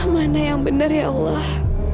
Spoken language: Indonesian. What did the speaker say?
mana yang benar ya allah